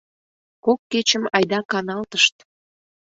Кок кечым айда каналтышт.